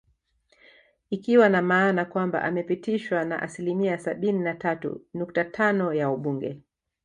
Ikiwa na maana kwamba amepitishwa na asilimia sabini na tatu nukta tano ya wabunge